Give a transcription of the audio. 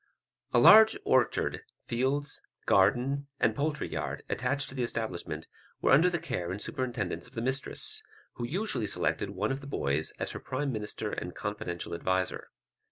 A large orchard, fields, garden, and poultry yard, attached to the establishment, were under the care and superintendence of the mistress, who usually selected one of the boys as her prime minister and confidential adviser.